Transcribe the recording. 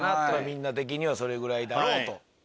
みんな的にはそれぐらいだろう！と。